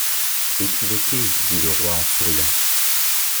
Equivocquez, dit le Roy en soubriant.